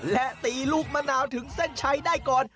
และตีลูกมะนาวถึงเส้นชัยได้ก่อน